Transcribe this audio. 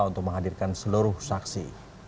untuk menghadirkan seluruh saksi